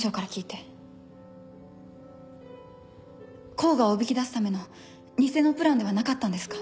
甲賀をおびき出すための偽のプランではなかったんですか？